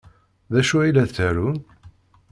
D acu ay la ttarun?